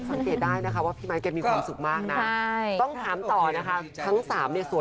สุขภาพเพราะว่าเขาก็อายุมากขึ้นแล้ว